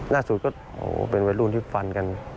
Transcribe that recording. ล่าสุดก็เป็นวัยรุ่นที่ฟันกัน